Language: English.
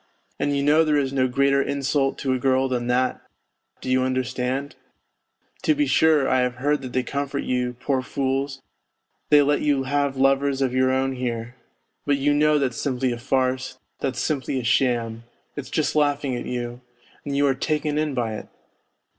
And you know there is no greater insult to a girl than that, do you understand ? To be sure, I have heard that they comfort you, poor fools, they let you have lovers of your own here. But you know that's simply a farce, that's simply a sham, it's just laughing at you, and you are taken in by it